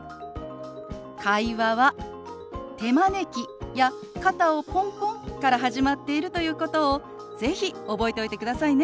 会話は手招きや肩をポンポンから始まっているということを是非覚えておいてくださいね。